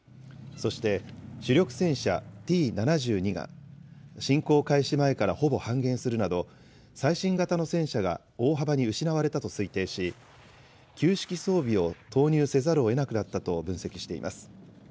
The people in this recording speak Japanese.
そして、主力戦車Ｔ７２が侵攻開始前からほぼ半減するなど、最新型の戦車が大幅に失われたと推定し、旧式装備を投入せざるをえなくなったと分析しています。